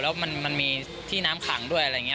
แล้วมันมีที่น้ำขังด้วย